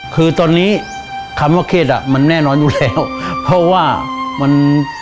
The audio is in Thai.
คือตอนนี้คำว่าเครียดอ่ะมันแน่นอนอยู่แล้วเพราะว่ามัน